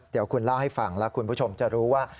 เดี๋ยวคุณเล่าให้ฟังแล้วคุณผู้ชมจะรู้ว่า